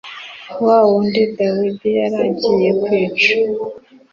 wa wundi dawidi yari agiye kwica